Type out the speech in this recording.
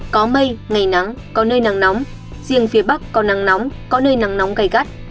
có mây ngày nắng có nơi nắng nóng riêng phía bắc có nắng nóng có nơi nắng nóng gây gắt